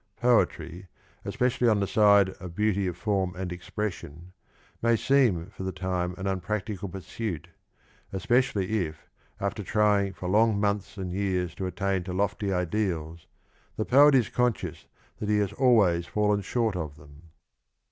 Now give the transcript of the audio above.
Poetry, especially on the side of beauty of form and expression, may seem for the time an unpractical pursuit, especially if, after trying for long months and years to attain to lofty ideals, the poet is conscious that he has always fallen short of them.